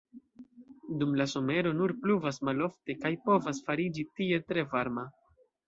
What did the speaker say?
Dum la somero nur pluvas malofte kaj povas fariĝi tie tre varma.